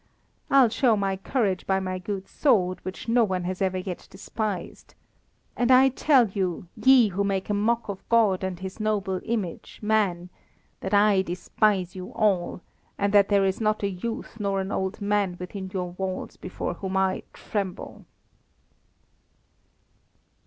I'll show my courage by my good sword, which no one has ever yet despised. And I tell you, ye who make a mock of God and His noble image, man, that I despise you all, and that there is not a youth nor an old man within your walls before whom I tremble!"